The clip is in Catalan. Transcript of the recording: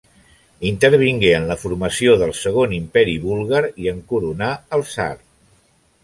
Intervingué en la formació del segon imperi búlgar i en coronà el tsar.